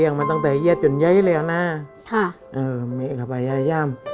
กับลูกมาตั้งแต่เย็นถึงเย็นแล้วนะไม่ได้กลับหาย่าม